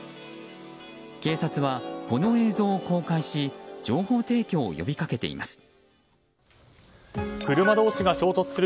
警察は、この映像を公開し情報提供を呼びかけています。